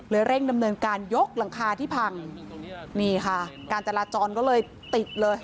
เร่งดำเนินการยกหลังคาที่พังนี่ค่ะการจราจรก็เลยติดเลย